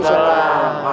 di anak panjang umur